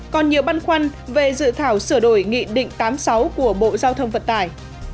còn nhiều băn khoăn về dự thảo sửa đổi nghị định tám mươi sáu của bộ giao thông vận tải